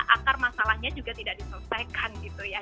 akar masalahnya juga tidak diselesaikan gitu ya